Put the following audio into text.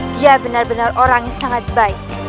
dia benar benar orang yang sangat baik